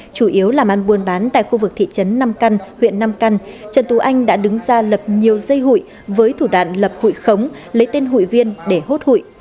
chủ yếu làm ăn buôn bán tại khu vực thị trấn nam căn huyện nam căn trần tú anh đã đứng ra lập nhiều dây hụi với thủ đoạn lập hụi khống lấy tên hụi viên để hốt hụi